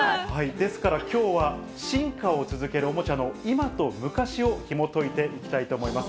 ですからきょうは、進化を続けるおもちゃの今と昔をひもといていきたいと思います。